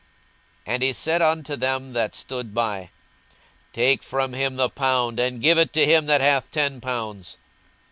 42:019:024 And he said unto them that stood by, Take from him the pound, and give it to him that hath ten pounds.